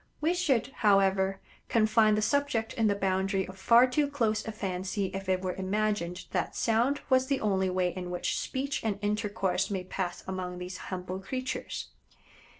We should, however, confine the subject in the boundary of far too close a fancy if it were imagined that sound was the only way in which speech and intercourse may pass among these humble creatures.